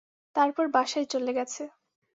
তারপর বাসায় চলে গেছে।